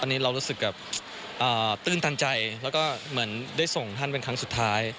อันนี้เรารู้สึกแบบตื้นตันใจแล้วก็เหมือนได้ส่งท่านเป็นครั้งสุดท้าย